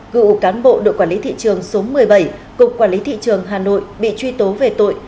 cựu cán bộ đội quản lý thị trường số một mươi bảy cục quản lý thị trường hà nội bị truy tố về tội